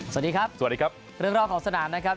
สวัสดีครับสวัสดีครับเรื่องรอบของสนามนะครับ